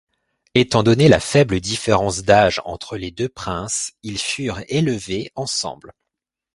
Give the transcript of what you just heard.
Étant donné la faible différence d'âge entre les deux princes, ils furent élevés ensemble.